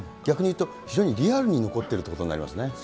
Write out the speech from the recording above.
逆に言うと非常にリアルに残っているということになりますね。